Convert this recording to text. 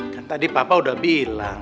kan tadi papa udah bilang